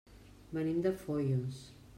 Venim de Foios.